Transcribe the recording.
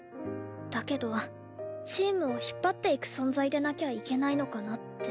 だけどチームを引っ張っていく存在でなきゃいけないのかなって。